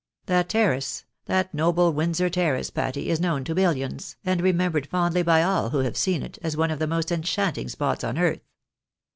That terrace, that noble Windsor terrace, Patty, is known to millions, and remembered fondly by all who have seen it, as one of the most enchanting spots on earth.